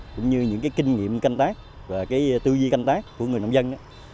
cũng như những kinh nghiệm canh tác và tư duy canh tác của người nông dân